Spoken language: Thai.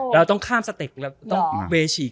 เราต้องข้ามสติกต้องเบชีก